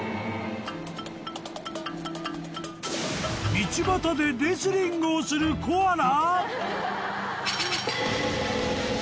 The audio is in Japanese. ［道端でレスリングをするコアラ？］